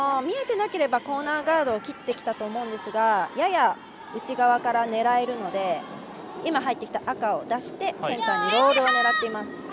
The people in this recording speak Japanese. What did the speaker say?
見えてなければコーナーガードを切ってきたと思いますがやや内側から狙えるので今、入ってきた赤を出してセンターにロールを狙っています。